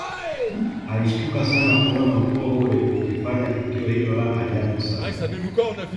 Alishtuka sana kuona ukoo ule ukifanya tukio hilo la ajabu sana